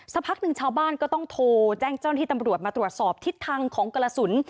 สักพักหนึ่งชาวบ้านก็ต้องโทรแจ้งเจ้าหน้าที่ตำรวจมาตรวจสอบทิศทางของกระสุน